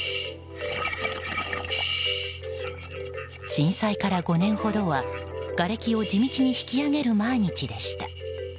震災から５年ほどはがれきを地道に引き揚げる毎日でした。